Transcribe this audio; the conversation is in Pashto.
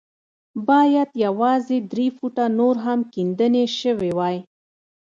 بايد يوازې درې فوټه نور هم کيندنې شوې وای.